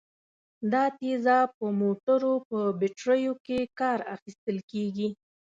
دا تیزاب په موټرو په بټریو کې کار اخیستل کیږي.